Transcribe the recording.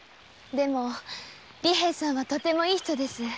でも利平さんはとてもいい人です。